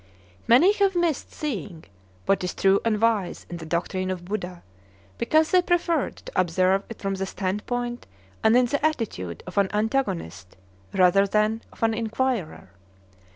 Many have missed seeing what is true and wise in the doctrine of Buddha because they preferred to observe it from the standpoint and in the attitude of an antagonist, rather than of an inquirer.